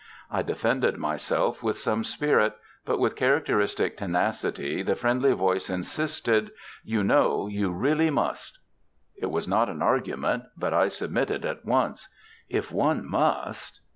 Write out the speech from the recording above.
I defended myself with some spirit; but, with characteristic tenacity, the friendly voice insisted, "You know, you really must." It was not an argument, but I submitted at once. If one must!...